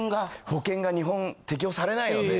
保険が日本適用されないので。